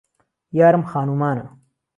یارم خانومانه